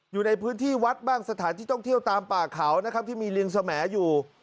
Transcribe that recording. อยู่ในพื้นที่วัดบ้างสถานที่ท่องเที่ยวตามป่าเขานะครับที่มีลิงสแหมดอยู่